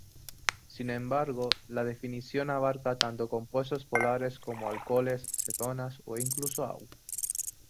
Sin embargo, la definición abarca tanto compuestos polares como alcoholes, cetonas o incluso agua.